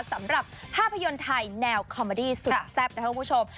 สำหรับภาพยนตร์ไทยแนวคอมเมอดี้สุดแซ่บนะครับคุณผู้ชม